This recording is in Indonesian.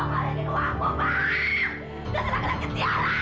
gak silahkan lagi siaran